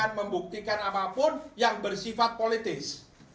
ini bukan membuktikan apapun yang bersifat politis